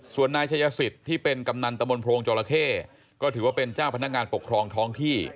ส่วนนายชายสิทธิ์ที่เป็นกำนันตมโพรงจราเข้ก็ถือว่าเป็นเจ้าพนักงานปกครองท้องที่